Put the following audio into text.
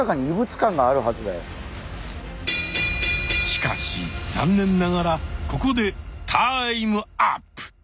しかし残念ながらここでタイムアップ。